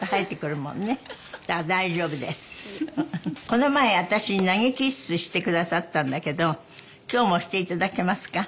「この前私に投げキッスしてくださったんだけど今日もして頂けますか？」